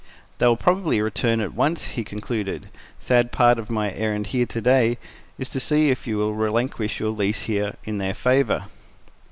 "They will probably return at once," he concluded "sad part of my errand here to day is to see if you will relinquish your lease here in their favor."